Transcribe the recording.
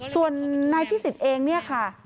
ส่วนนายพิสิทธิ์เองเนี่ยค่ะ